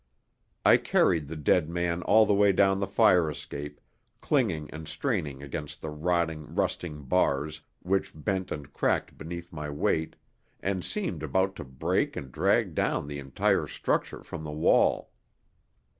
I carried the dead man all the way down the fire escape, clinging and straining against the rotting, rusting bars, which bent and cracked beneath my weight and seemed about to break and drag down the entire structure from the wall.